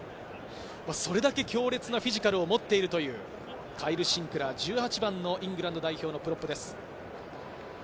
それだけ強烈なフィジカルを持っているというカイル・シンクラー、１８番のイングランド代表のプロップです。